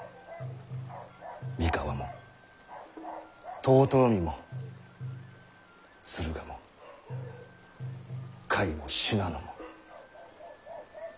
三河も遠江も駿河も甲斐も信濃も。